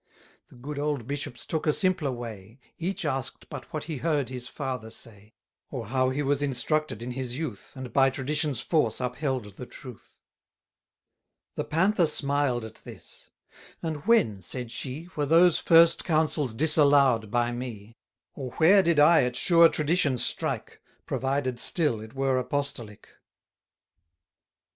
The good old bishops took a simpler way; Each ask'd but what he heard his father say, Or how he was instructed in his youth, And by tradition's force upheld the truth. The Panther smiled at this; and when, said she, Were those first Councils disallow'd by me? Or where did I at sure Tradition strike, 170 Provided still it were apostolic?